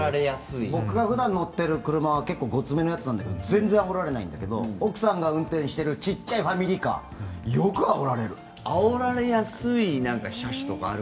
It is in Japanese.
僕が普段乗っている結構、ごつめのやつで全然あおられないんだけど奥さんが運転している小さいファミリーカーはよくあおられる。